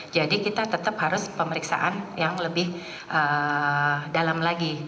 jadi kita tetap harus pemeriksaan yang lebih dalam lagi